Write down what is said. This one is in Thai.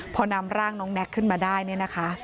พอนำร่างน้องแน็กขึ้นมาได้เนี่ยนะคะ